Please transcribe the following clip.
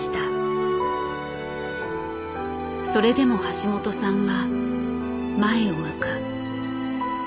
それでも橋本さんは前を向く。